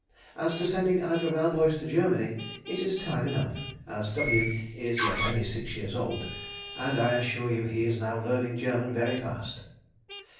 As to sending either of our boys to Germany, it is time enough, as W. is yet only six years old, and I assure you he is now learning German very fast.